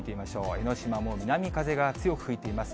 江の島も南風が強く吹いています。